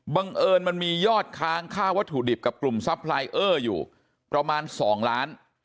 เอิญมันมียอดค้างค่าวัตถุดิบกับกลุ่มซัพพลายเออร์อยู่ประมาณ๒ล้าน